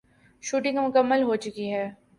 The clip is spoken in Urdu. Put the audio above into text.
شوٹنگ مکمل ہوچکی ہے